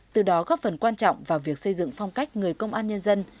từ đó góp phần quan trọng vào việc xây dựng phong cách người công an nhân dân